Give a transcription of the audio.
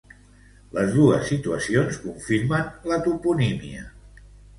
Les dos situacions confirmen la toponímia.